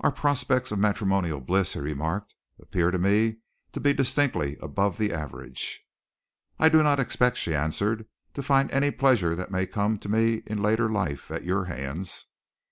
"Our prospects of matrimonial bliss," he remarked, "appear to me to be distinctly above the average." "I do not expect," she answered, "to find any pleasure that may come to me in later life, at your hands."